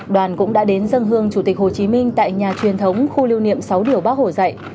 đoàn cũng đã đến dân hương chủ tịch hồ chí minh tại nhà truyền thống khu lưu niệm sáu điều bác hồ dạy